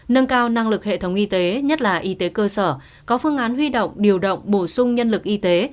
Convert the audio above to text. nâng cao năng lực hệ thống y tế nhất là y tế cơ sở có phương án huy động điều động bổ sung nhân lực y tế